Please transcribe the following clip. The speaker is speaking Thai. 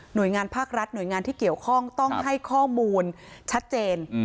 โดยงานภาครัฐหน่วยงานที่เกี่ยวข้องต้องให้ข้อมูลชัดเจน